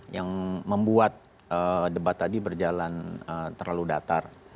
yang membuat debat tadi berjalan terlalu datar